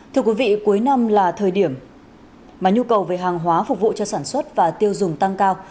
thưa quý vị cuối năm là thời điểm mà nhu cầu về hàng hóa phục vụ cho sản xuất và tiêu dùng tăng cao